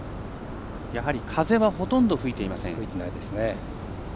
やはり風はほとんど吹いていません。